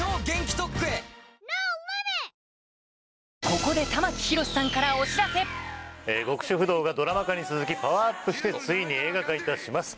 ここで『極主夫道』がドラマ化に続きパワーアップしてついに映画化いたします